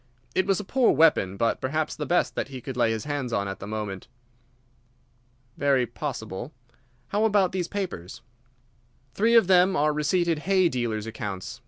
It was a poor weapon, but perhaps the best that he could lay his hands on at the moment." "Very possible. How about these papers?" "Three of them are receipted hay dealers' accounts.